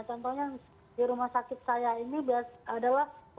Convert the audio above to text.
contohnya di rumah sakit saya ini adalah